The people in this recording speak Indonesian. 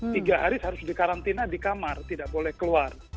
tiga hari harus dikarantina di kamar tidak boleh keluar